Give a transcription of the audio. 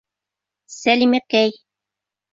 Сәлимәкәй!